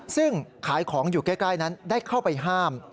ซึ่งขายของอยู่ใกล้นั้นได้เข้าไปห้าม